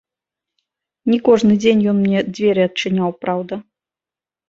Не кожны дзень ён мне дзверы адчыняў, праўда.